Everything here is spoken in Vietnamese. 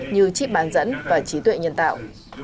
như trị bản dẫn và trí tuệ nhân tạo